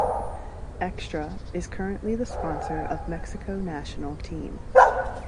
Extra is currently the sponsor of Mexico national team.